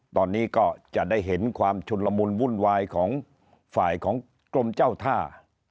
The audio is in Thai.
ตอนนี้ก็จะได้เห็นความชุนละมุนวุ่นวายของฝ่ายของกรมเจ้าท่า